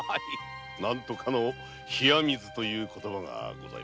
何とかの冷や水という言葉がございますな。